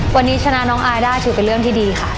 วันนี้ชนะน้องอายได้ถือเป็นเรื่องที่ดีค่ะ